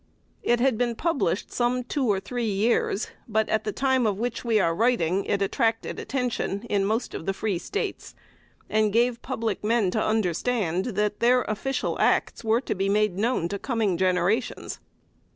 It had been published some two or three years; but at the time of which we are writing, it attracted attention in most of the free States, and gave public men to understand that their official acts were to be made known to coming generations.